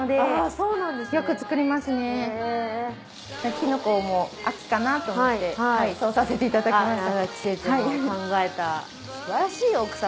キノコも秋かなと思ってそうさせていただきました。